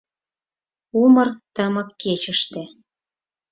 Умыр тымык кечыште